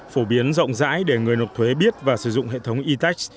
phổ biến rộng rãi để người nộp thuế biết và sử dụng hệ thống etex